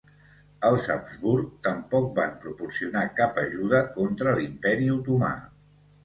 Els Habsburg tampoc van proporcionar cap ajuda contra l'Imperi Otomà.